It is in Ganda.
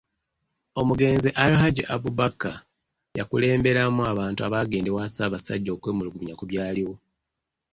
Omugenzi Alhaji Abubaker yakulemberamu abantu abaagenda ewa Ssabasajja okwemulugunya ku byaliwo